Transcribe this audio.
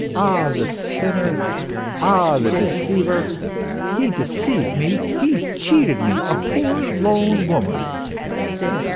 Ah, the sinner ! ah, the deceiver ! He deceived me, he cheated me, a poor lone woman